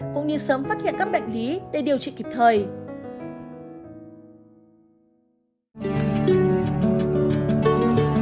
cũng như sớm phát hiện các bệnh lý để điều trị kịp thời